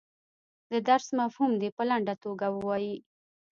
د درس مفهوم دې په لنډه توګه ووایي.